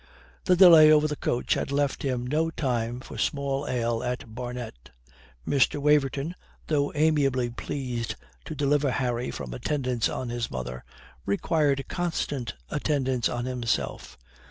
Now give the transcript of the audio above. The delay over the coach had left him no time for small ale at Barnet. Mr. Waverton, though amiably pleased to deliver Harry from attendance on his mother, required constant attendance on himself.